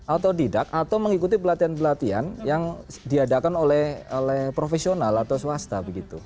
otodidak atau mengikuti pelatihan pelatihan yang diadakan oleh profesional atau swasta